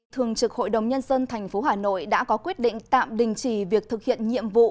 thường trực hội đồng nhân dân tp hà nội đã có quyết định tạm đình chỉ việc thực hiện nhiệm vụ